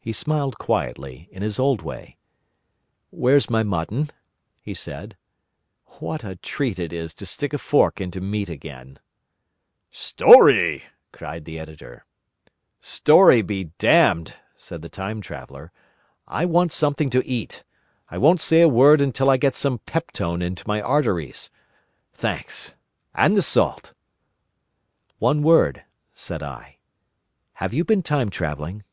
He smiled quietly, in his old way. "Where's my mutton?" he said. "What a treat it is to stick a fork into meat again!" "Story!" cried the Editor. "Story be damned!" said the Time Traveller. "I want something to eat. I won't say a word until I get some peptone into my arteries. Thanks. And the salt." "One word," said I. "Have you been time travelling?"